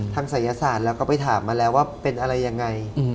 ศัยศาสตร์เราก็ไปถามมาแล้วว่าเป็นอะไรยังไง